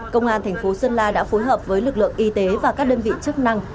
công an tp sơn la đã phối hợp với lực lượng y tế và các đơn vị chức năng